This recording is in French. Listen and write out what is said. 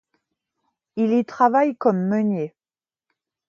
Il y travaille comme meunier.